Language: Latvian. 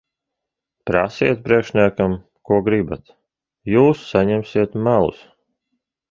Prasiet priekšniekiem, ko gribat. Jūs saņemsiet melus.